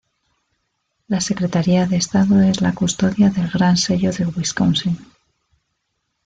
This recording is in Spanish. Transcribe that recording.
La Secretaría de Estado es la custodia del Gran Sello de Wisconsin.